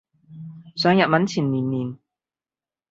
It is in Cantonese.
上日文前練練